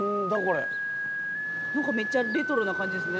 めっちゃレトロな感じですね。